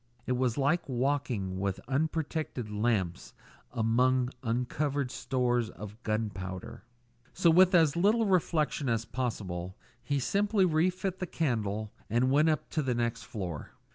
It was like walking with unprotected lamps among uncovered stores of gun powder. So, with as little reflection as possible, he simply relit the candle and went up to the next floor.